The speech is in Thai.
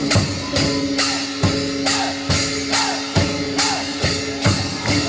สวัสดีสวัสดี